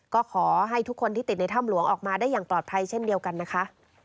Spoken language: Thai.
ก็ขอให้ทุกคนที่ติดในถ้ำหลวงออกมาได้อย่างปลอดภัยเช่นเดียวกันนะคะ